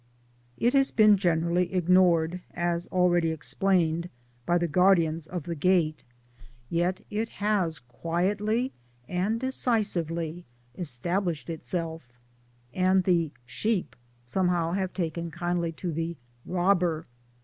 It has been generally ignored as already explained by the guardians of the gate, yet THE STORY OF, MY BOOKS 201 it has quietly and decisively established itself, and the ' sheep ' somehow have taken kindly to the * robber.'